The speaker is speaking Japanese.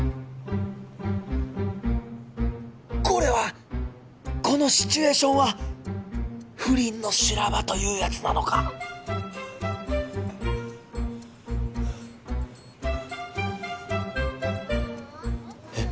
これはこのシチュエーションは不倫の修羅場というやつなのか？えっ？